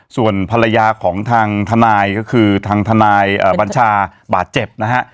ส่วนภรรยาของทางทนายก็คือทางทนายบัญชาบาดเจ็บนะฮะ